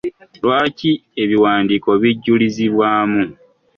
Lwaki ebiwandiiko bijulizibwamu?